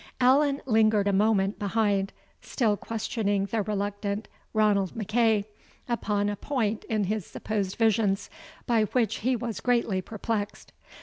Allan lingered a moment behind, still questioning the reluctant Ranald MacEagh upon a point in his supposed visions, by which he was greatly perplexed.